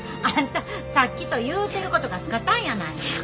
あんたさっきと言うてることがスカタンやないの。